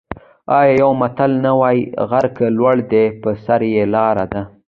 آیا یو متل نه وايي: غر که لوړ دی په سر یې لاره ده؟